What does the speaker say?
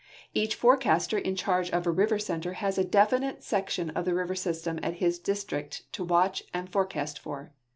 Each forecaster in charge of a river center has a definite section of the river system of his district to watch and forecast for.